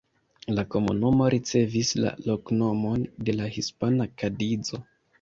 La komunumo ricevis la loknomon de la hispana Kadizo.